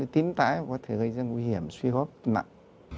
tím tái có thể gây ra nguy hiểm suy hấp nặng